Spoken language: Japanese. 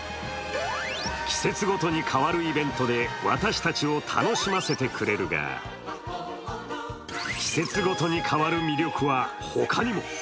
季節ごとに変わるイベントで私たちを楽しませてくれるが季節ごとに変わる魅力はほかにも。